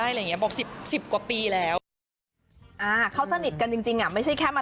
อ่าเขาสนิทกันน่ะจริงไม่ใช่แค่มาทำรายการด้วยกันก็ถูกร้องเพลงเล่นดนตรีกันมา